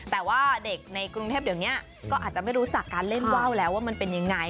แต่ว่าเด็กในกรุงเทพเดี๋ยวนี้ก็อาจจะไม่รู้จักการเล่นว่าวแล้วว่ามันเป็นยังไง